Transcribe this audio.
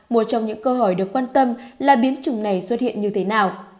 một trong những câu hỏi được quan tâm là biến chủng này xuất hiện như thế nào